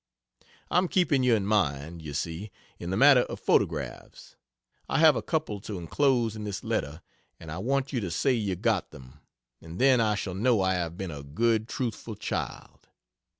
I'm keeping you in mind, you see, in the matter of photographs. I have a couple to enclose in this letter and I want you to say you got them, and then I shall know I have been a good truthful child.